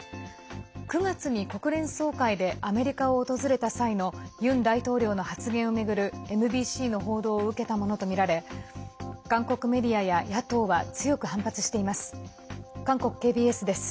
９月に国連総会でアメリカを訪れた際のユン大統領の発言を巡るＭＢＣの報道を受けたものとみられ韓国メディアや野党は強く反発しています。